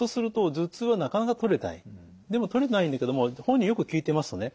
でもとれてないんだけども本人によく聞いてみますとね